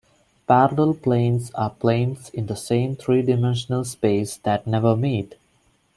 Parallel planes are planes in the same three-dimensional space that never meet.